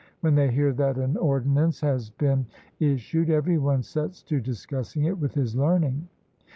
When they hear that an ordinance has been issued, every one sets to discussing it with his learning.